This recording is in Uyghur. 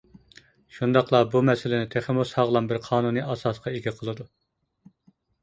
شۇنداقلا بۇ مەسىلىنى تېخىمۇ ساغلام بىر قانۇنىي ئاساسقا ئىگە قىلىدۇ.